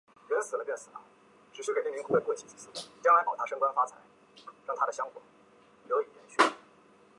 美洲攀鼠属等之数种哺乳动物。